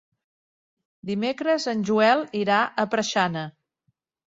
Dimecres en Joel irà a Preixana.